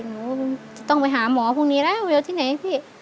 หนูต้องไปหาหมอพรุ่งนี้แล้วอยู่ที่ไหนพี่